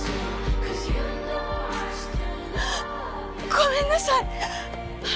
ごめんなさい。